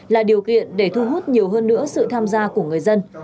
là điều kiện để thu hút nhiều hơn nữa sự tham gia của người dân